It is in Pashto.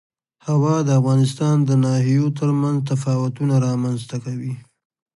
هوا د افغانستان د ناحیو ترمنځ تفاوتونه رامنځ ته کوي.